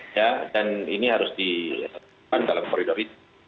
ya dan ini harus dilakukan dalam koridor itu